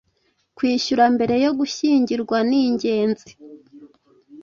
kwishyura mbere yo gushyingirwa ningenzi